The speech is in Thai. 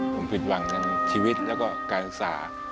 ผมผิดหวังทั้งชีวิตแล้วก็การศึกษา